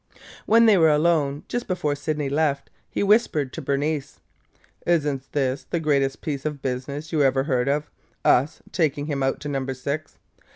When they were alone, just before Sydney left, he whispered to Bernice: "Is n't this the greatest piece of business you ever heard of – us taking him out to Number Six?